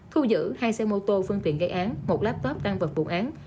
thu giữ hai xe mô tô phương tiện gây án một laptop tăng vật vụ án